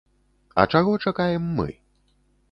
А чаго чакаем мы?